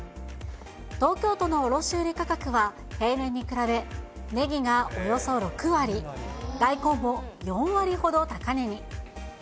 東京都の卸売り価格は、平年に比べ、ネギがおよそ６割、大根も４割ほど高値に。